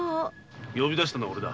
呼び出したのはオレだ。